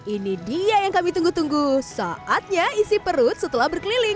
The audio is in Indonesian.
ini dia yang kami tunggu tunggu saatnya isi perut setelah berkeliling